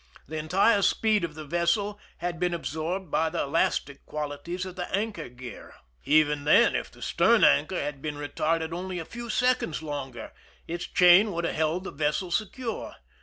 The entire speed of the vessel had been absorbed by the elas tic qualities of the anchor gear. Even then, if the 160 IMPEISONMENT IN MOERO CASTLE stern anchor had been retarded only a few seconds longer, its chain would have held the vessel secure.